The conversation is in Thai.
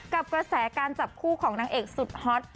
กับกระแสการจับคู่ของนางเอกสุดฮอต